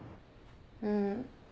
うん。